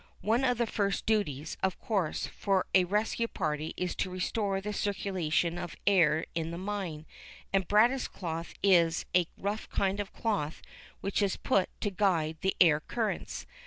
One of the first duties, of course, for a rescue party is to restore the circulation of air in the mine, and brattice cloth is a rough kind of cloth which is put to guide the air currents.